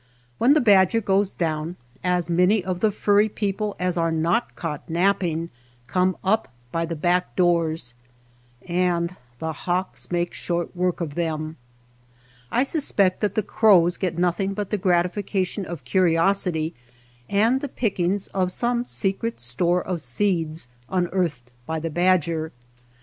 When the badger goes down, as many of the furry people as are not caught napping come up by the back doors, and the hawks make short work of them. I suspect that the crows get no thing but the gratification of curiosity and the pickings of some secret store of seeds unearthed by the badger.